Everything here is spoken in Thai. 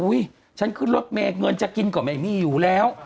อุ๊ยฉันขึ้นรถเมนี่เงินจะกินกว่าเมนี่อยู่แล้ว